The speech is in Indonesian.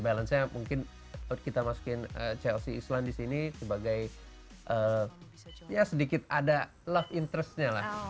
balance nya mungkin kita masukin chelsea islan di sini sebagai ya sedikit ada love interest nya lah